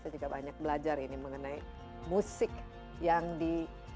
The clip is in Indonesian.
saya juga banyak belajar ini mengenai musik yang di